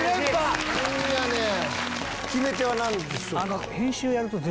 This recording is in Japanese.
決め手は何でしょうか？